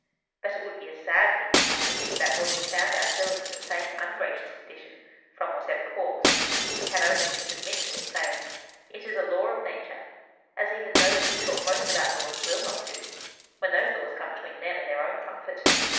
But it would be a sad thing to have to think that when we found ourselves in the same ungracious condition, from whatever cause, we had only to submit to it, saying, 'It is a law of nature,' as even those who talk most about laws will not do, when those laws come between them and their own comfort.